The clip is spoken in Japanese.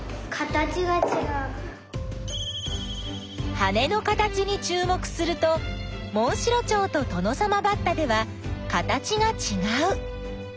羽の形にちゅう目するとモンシロチョウとトノサマバッタでは形がちがう。